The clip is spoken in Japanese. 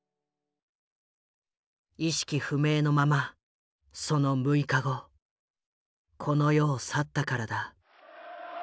意識不明のままその６日後この世を去ったからだ。